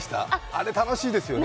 あれ楽しいですよね。